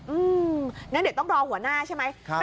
อืมงั้นเด็กต้องรอหัวหน้าใช่ไหม